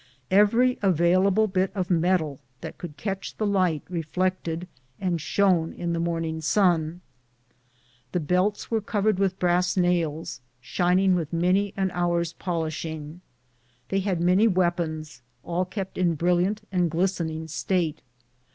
Every available bit of metal that could catch the light reflected and shone in the morning sun. The belts were covei*ed with brass nails, shining with many an hour's polishing. They had many w^eapons, all kept in a brilliant and glisten ing state.